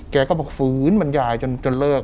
แกก็บอกฝืนบรรยายจนเลิก